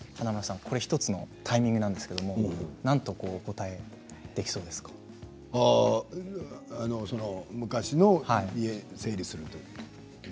華丸さんこれ１つのタイミングなんですけどなんと昔の家を整理するとき。